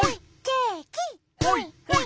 ほいほい。